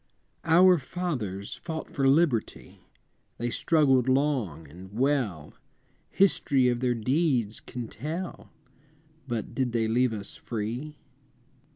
I. Our fathers fought for Liberty, They struggled long and well, History of their deeds can tell But did they leave us free?